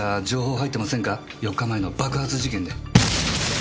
４日前の爆発事件で。